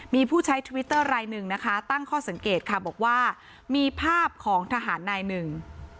มีผู้ใช้ทวิตเตอร์รายหนึ่งนะคะตั้งข้อสังเกตค่ะบอกว่ามีภาพของทหารนายหนึ่ง